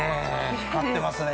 光ってますね。